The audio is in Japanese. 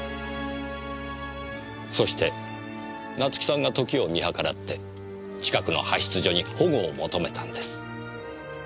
そして夏樹さんが時を見計らって近くの派出所に保護を求めたんです。